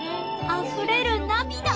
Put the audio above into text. あふれる涙